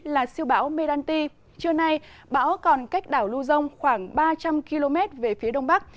là siêu bão melanti trưa nay bão còn cách đảo lưu dông khoảng ba trăm linh km về phía đông bắc